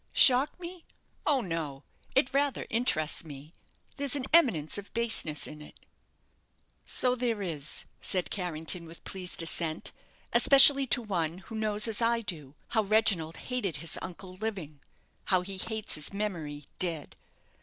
"Shock me? Oh no! It rather interests me; there's an eminence of baseness in it." "So there is," said Carrington, with pleased assent, "especially to one who knows, as I do, how Reginald hated his uncle, living how he hates his memory, dead.